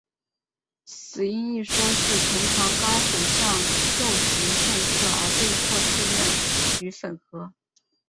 死因一说是藤堂高虎向秀吉献策而被迫自刃于粉河。